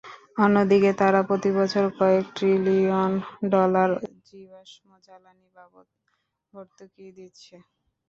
অন্যদিকে তারা প্রতিবছর কয়েক ট্রিলিয়ন ডলার জীবাশ্ম জ্বালানি বাবদ ভর্তুকি দিচ্ছে।